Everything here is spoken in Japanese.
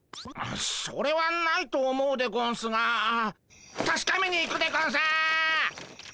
それはないと思うでゴンスがたしかめに行くでゴンス！